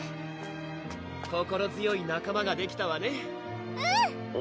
心強い仲間ができたわねうん！